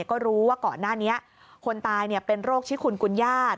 ก็รู้ว่าก่อนหน้านี้คนตายเป็นโรคชิคุณกุญญาต